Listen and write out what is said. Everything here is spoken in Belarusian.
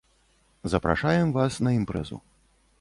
Запрашаем вас на імпрэзу.